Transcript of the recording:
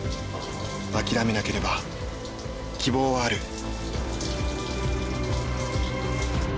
諦めなければ希望はある。